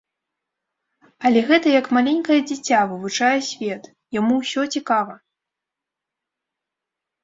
Але гэта як маленькае дзіця вывучае свет, яму ўсё цікава.